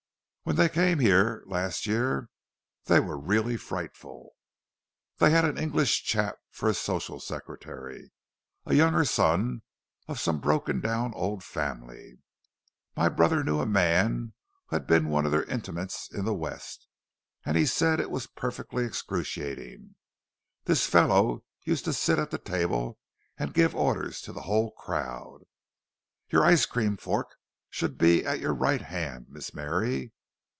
"When they came here last year, they were really frightful. They had an English chap for social secretary—a younger son of some broken down old family. My brother knew a man who had been one of their intimates in the West, and he said it was perfectly excruciating—this fellow used to sit at the table and give orders to the whole crowd: 'Your ice cream fork should be at your right hand, Miss Mary.